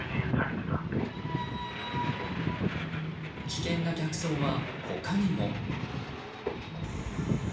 危険な逆走は、他にも。